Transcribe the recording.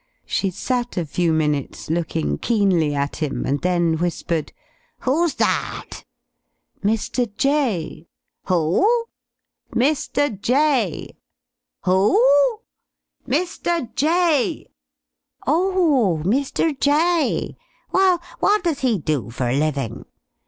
She sat a few minutes looking keenly at him, and then whispered, "Who's that?" "Mr. Jay." "Who?" "MR. JAY." "Who?" "MR. JAY." "Oh o oh! Mr. Jay. Well, what does he do for a living?"